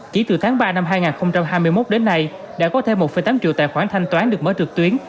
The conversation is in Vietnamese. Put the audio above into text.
chỉ từ tháng ba năm hai nghìn hai mươi một đến nay đã có thêm một tám triệu tài khoản thanh toán được mở trực tuyến